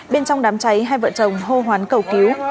bên trong đám cháy hai vợ chồng hô hoán cầu cứu